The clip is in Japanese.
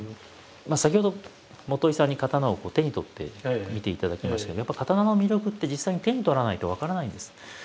先ほど元井さんに刀を手に取って見ていただきましたけどやっぱ刀の魅力って実際に手に取らないと分からないんです。